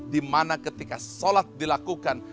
dimana ketika solat dilakukan